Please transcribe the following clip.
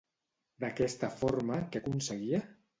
D'aquesta forma, què aconseguia?